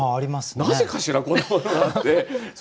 なぜかしらこんなものがあって。